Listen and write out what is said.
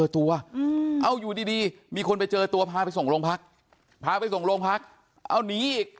ตัวเอาอยู่ดีมีคนไปเจอตัวพาไปส่งโรงพักพาไปส่งโรงพักเอาหนีอีก